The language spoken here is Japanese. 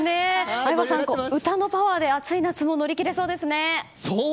相葉さん、歌のパワーで暑い夏も乗り切れそうですね。